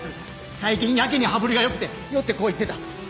最近やけに羽振りが良くて酔ってこう言ってた。